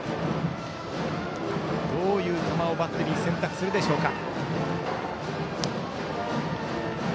どういう球をバッテリーは選択するか。